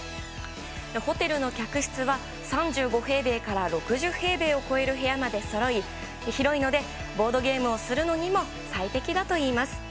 ホテルの客室は３５平米から６０平米を超える部屋までそろい、広いのでボードゲームをするのにも最適だといいます。